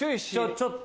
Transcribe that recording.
ちょっと。